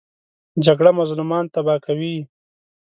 جګړه مظلومان تباه کوي